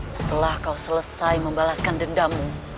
setelah kau selesai membalaskan dendammu